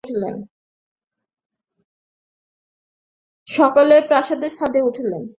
সকলে প্রাসাদের ছাদে উঠিলেন।